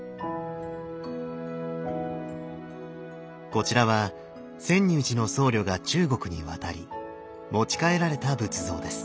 こちらは泉涌寺の僧侶が中国に渡り持ち帰られた仏像です。